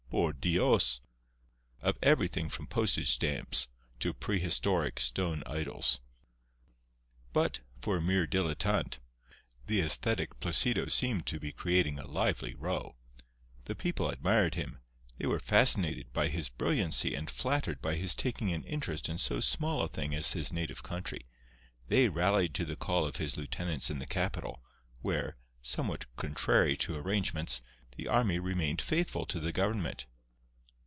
Por Dios! of everything from postage stamps to prehistoric stone idols." But, for a mere dilettante, the æsthetic Placido seemed to be creating a lively row. The people admired him; they were fascinated by his brilliancy and flattered by his taking an interest in so small a thing as his native country. They rallied to the call of his lieutenants in the capital, where (somewhat contrary to arrangements) the army remained faithful to the government.